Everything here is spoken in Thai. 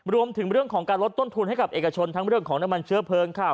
รวมถึงเรื่องของการลดต้นทุนให้กับเอกชนทั้งเรื่องของน้ำมันเชื้อเพลิงค่ะ